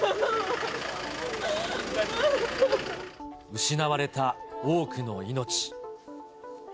失われた多くの命。